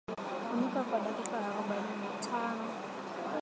Funika kwa dakika arobaini na tano